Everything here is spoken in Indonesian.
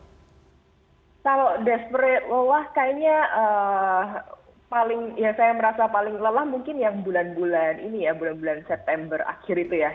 kalau desperate lelah kayaknya paling ya saya merasa paling lelah mungkin yang bulan bulan ini ya bulan bulan september akhir itu ya